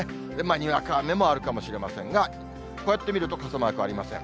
にわか雨もあるかもしれませんが、こうやって見ると傘マークありません。